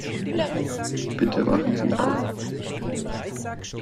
Bitte wachen Sie auf!